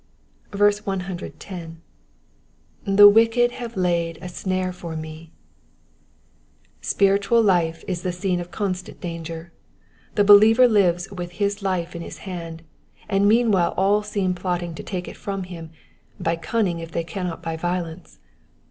110. *^The wicked hate laid a mnre for «itf.'* Spiritual life is the scene of constant danger : the believer lives with his life in his hand, and mean while all seem plotting to take it from him, by cunning if they cannot by violence.